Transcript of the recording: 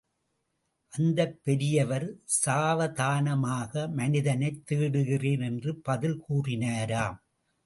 அந்தப் பெரியவர் சாவதானமாக, மனிதனைத் தேடுகிறேன் என்று பதில் கூறினாராம்.